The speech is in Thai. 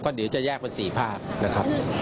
เดี๋ยวจะแยกเป็น๔ภาคนะครับ